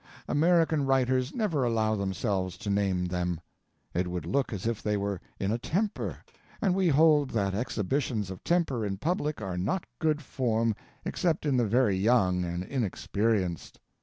American writers never allow themselves to name them. It would look as if they were in a temper, and we hold that exhibitions of temper in public are not good form except in the very young and inexperienced.